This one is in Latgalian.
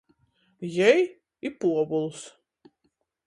Jei, i Puovuls...